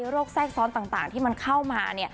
โรคแทรกซ้อนต่างที่มันเข้ามา